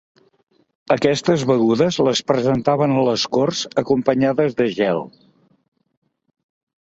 Aquestes begudes les presentaven a les corts acompanyades de gel.